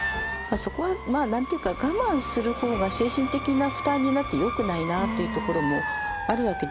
そこは何て言うか我慢する方が精神的な負担になってよくないなっていうところもあるわけですよね。